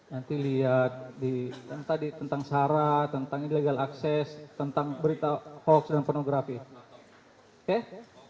nanti lihat di tentang syarat tentang ilegal akses tentang berita hoax dan pornografi eh